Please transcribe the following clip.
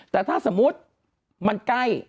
แต่ถ้าสมมุติมันใกล้